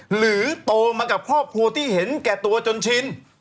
หรือโตมากับครอบครัวที่เห็นแก่ตัวจนชิน